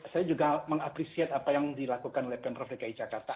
saya juga mengapresiasi apa yang dilakukan oleh pemprov dki jakarta